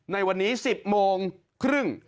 ในวันนี้๑๐โมงครึ่ง